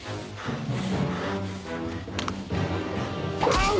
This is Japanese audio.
あっ！